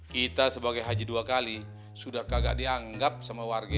kita sebagai haji dua kali sudah kagak dianggap sama warga